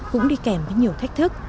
cũng đi kèm với nhiều thách thức